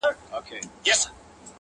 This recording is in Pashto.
• نه ،نه محبوبي زما.